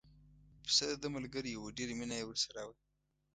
پسه دده ملګری و ډېره مینه یې ورسره وه.